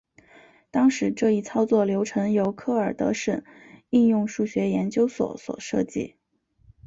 当时这一操作流程由克尔德什应用数学研究所所设计。